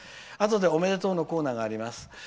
あとで、おめでとうのコーナーがあります。